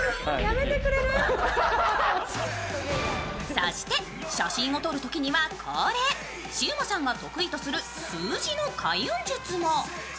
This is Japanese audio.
そして写真を撮るときには恒例シウマさんが得意とする数字の開運術も。